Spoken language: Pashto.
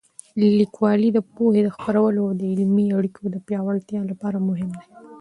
لیکوالی د پوهې د خپرولو او د علمي اړیکو د پیاوړتیا لپاره مهم دی.